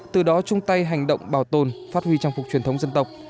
từ đó chung tay hành động bảo tồn phát huy trang phục truyền thống dân tộc